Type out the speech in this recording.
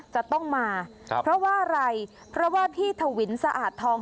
จะต้องมาครับเพราะว่าอะไรเพราะว่าพี่ถวินสะอาดทอง